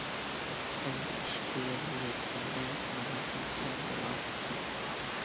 ئەمدى ئىش بۇ يەرگە يەتكەندە نېمە بولسام بولاي دېدىم.